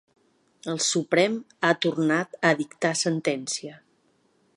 El Suprem ha tornat a dictar sentència.